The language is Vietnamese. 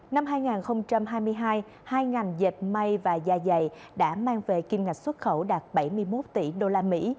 năm hai nghìn hai mươi hai hai ngành dệt may và da dày đã mang về kim ngạch xuất khẩu đạt bảy mươi một tỷ đô la mỹ